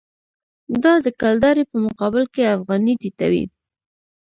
دا د کلدارې په مقابل کې افغانۍ ټیټوي.